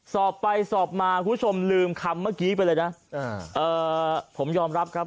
สอบไปสอบมาคุณผู้ชมลืมคำเมื่อกี้ไปเลยนะผมยอมรับครับ